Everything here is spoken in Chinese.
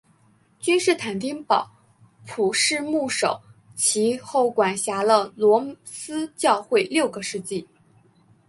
君士坦丁堡普世牧首其后管辖了罗斯教会六个世纪。